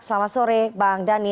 selamat sore bang daniel